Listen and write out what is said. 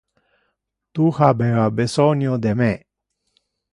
Tu habeva besonio de me.